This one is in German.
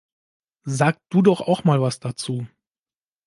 Sag du doch auch mal was dazu!